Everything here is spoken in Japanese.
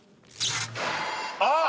あっ！